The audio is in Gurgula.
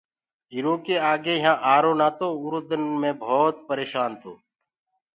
ايٚرو ڪي آگي يهآنٚ آرو نآتو آُرو دن مي ڀوتَ پريشآن تو